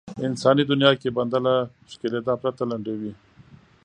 انساني دنيا کې بنده له ښکېلېدا پرته لنډوي.